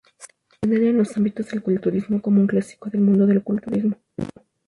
Se considera en los ámbitos del culturismo como un 'clásico del mundo del culturismo'.